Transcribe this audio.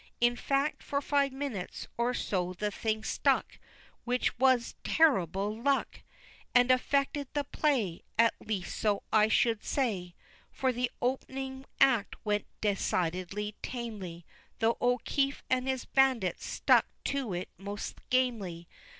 In fact, for five minutes or so the thing stuck Which was terrible luck! And affected the play, At least, so I should say, For the opening act went decidedly tamely, Though O'Keefe and his bandits stuck to it most gamely.